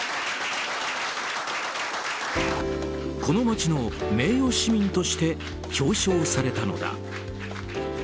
この街の名誉市民として表彰されたのだ。